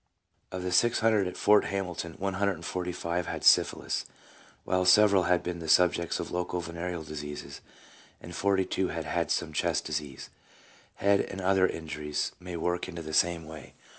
Of the 600 at Fort Hamilton, 145 had had syphilis, while several had been the subjects of local venereal diseases, and 42 had had some chest disease. Head and other injuries may work in the same way.